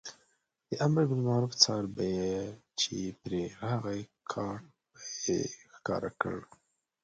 د امربالمعروف څار به چې پرې راغی کارټ به یې ښکاره کړ.